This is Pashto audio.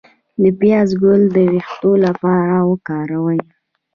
د پیاز ګل د ویښتو لپاره وکاروئ